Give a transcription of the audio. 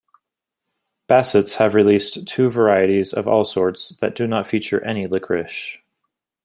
Bassett's have released two varieties of allsorts that do not feature any liquorice.